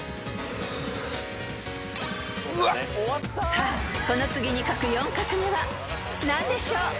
［さあこの次に書く４画目は何でしょう］